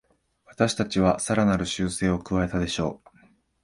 私たちはさらなる修正を加えたでしょう